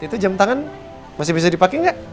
itu jam tangan masih bisa dipakai nggak